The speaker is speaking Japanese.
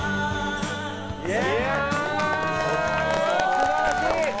素晴らしい！